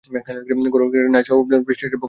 ঘরোয়া ক্রিকেটে নাইটস ও ফ্রি স্টেটের পক্ষে খেলছেন।